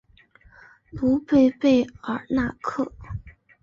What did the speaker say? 卢贝贝尔纳克。